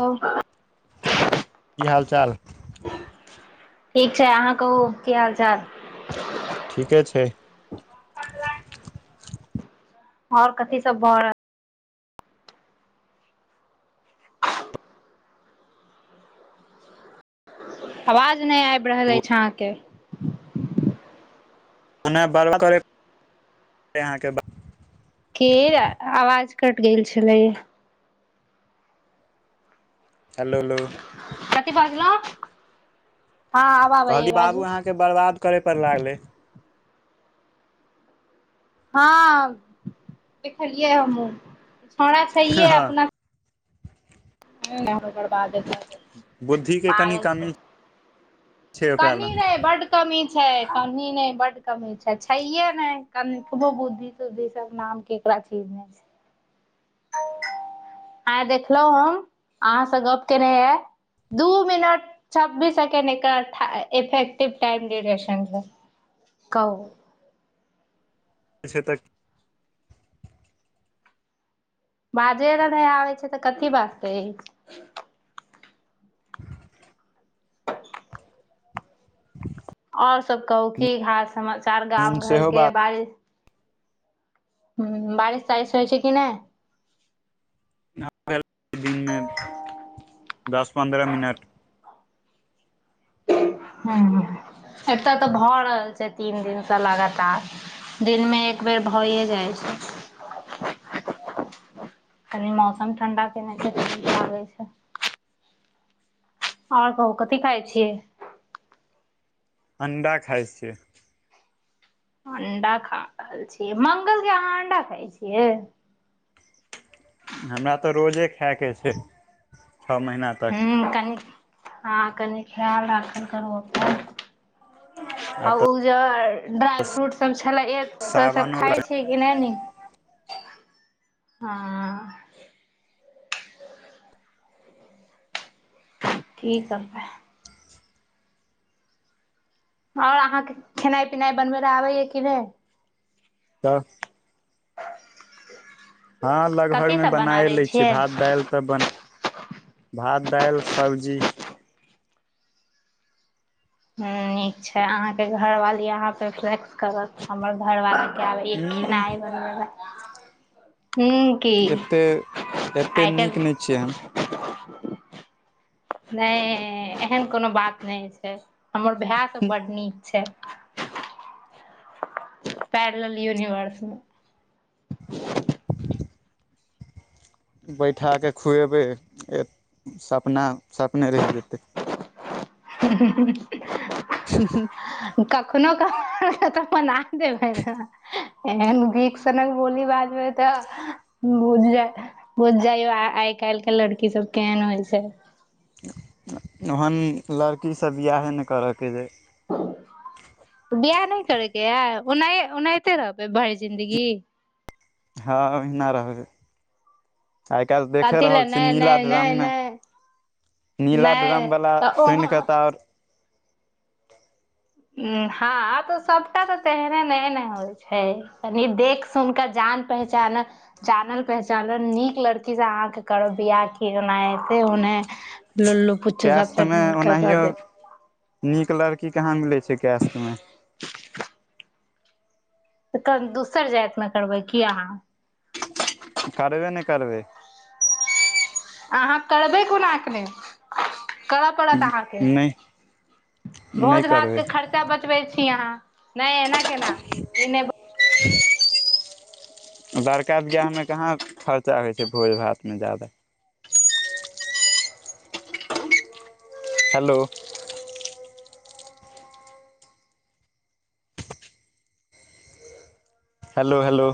ओ की हाल चाल ठीक छै अहाँ कहू की हाल चाल ठीके छै आओर कथी सब भऽ आवाज नै आबि रहल अछि अहाँके अहाके [unintelligible] के आवाज कट गेल छले हेलोहेलो कथी बजलौ हॅं कहली बाबू अहाँके बर्बाद करै पर लागलै हँ देखलियै हमहुँ छौड़ा छहिये हँ अपना [unintelligible] [unintelligible] पागल बुद्धि के कनि छै कमी छै ओकरा अनी लग नै बड कमी छै कनि ने बड कमी छै छैये ने कनिकबो बुद्धि तुद्धि सब नाम के [unintelligible] आय देखलहु हम अहाँसँ गप केने ये दू मिनट छब्बीस सेकेंड एकर इफेक्टिव टाइम देने छै कहु [unintelligible] तक बाजे ल नै आबै छै तऽ कथी बाजतै इ [inaudible] आओर सब कहू की हाल समाचार हूँ गाम घर सेहो के बारिश ह बारिश तारिश होय छै कि नै [unintelligible] दिन मे दस पन्द्रह मिनट हुॅं एत तऽ भऽ रहल छै तीन दिन सँ लगातार दिन मे एक बेर भए जाइ छै [unintelligible] कनि मौसम ठणडा केने छै त निक लागे छै आओर कहू कथि खाय छियै अण्डा खाय छियै अंडा खा रहल छी मंगल के अहाँ अंडा खाय छियै हमरा तऽ रोजे खायके छै छओ महीना तक हुॅं कनि हँ कनि खयाल राखल करू अपन आब आ तऽ ओ ज ड्राइ फ्रूट सब छले एक सब से सावनो खाय छी कि [unintelligible] हा ठीक हवे आओर अहाँके खेनाइ पिनाइ बनबै लए आबैए कि नै दस [unintelligible] हँ लगभग कथी मे सब बना बनाए दै लै छी छियै भात ह दालि तऽ बन भात दाइल सब्जी ह नीक छै अहाँके घरवाली अहाँ पे फलेक्स करत हमर घरवाला के आबे या उ खेनाइ बनबे ल हुॅं एते एते नीक नहि छियै हम [unintelligible] नहि एहन कोनो बात नय छै हमर भाय सब बड नीक छै पैड मिलल यूनिवर्स मऽ बैठा के खुएबै से सपना सपने रहि जेतै [unintelligible] [unintelligible] कखनो कऽ तऽ बना देबै नऽ एहन बीख सनक बोली बाजबै तऽ बुझ जाय बुझ जाइयो आइ काल्हि कऽ लड़की सब केहन होइ छै ओहन लड़की सऽ बियाहे ने करऽके जे बियाह नहि करेके ये ओना ओनाहिते रहबै भरि जिंन्दगी हँ ओहिना रहबै आइ कालहि देखे कथी रहल लए छिये नहि नीला नहि ड्राम नहि मे नहि नीला ड्रम नहि वाला तऽ सुनिक ओहो तऽ आऔर हँ तऽ सबटा तऽ तेहने नहि ने नय होइ छै कनि देख सुन कऽ जान पहचानक जानल पहचानल नीक लड़की से अहाँ कऽ करब बियाह कना हऐते हने लोल्लू पुचछु सबसँ कैशतमे ढूँढ कऽ ला ओनाहियो दे नीक लड़की कहाँ मिलै छै कैश्त में तऽ दोसर जाइत मऽ करबै की अहाँ? करबे नय करबय अहाँ करबै कोना केने? करऽ पड़त अहाँके। नहि नहि भोज-भात करबै कऽ खर्चा खर्चा बचबै छी अहाँ। नहि एना केना ई नहि [unintelligible] लड़का बियाह मऽ कहाँ खर्चा होइ छै भोज-भात मे जादा हेलो हेलो हेलो